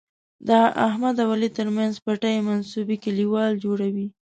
د احمد او علي تر منځ پټې منصوبې کلیوال جوړوي.